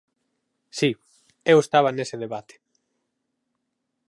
Si, eu estaba nese debate.